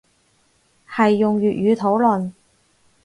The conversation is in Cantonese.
係用粵語討論